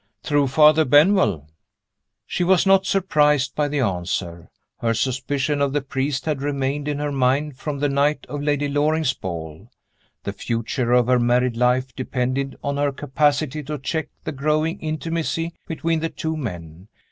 "Through Father Benwell." She was not surprised by the answer her suspicion of the priest had remained in her mind from the night of Lady Loring's ball. The future of her married life depended on her capacity to check the growing intimacy between the two men.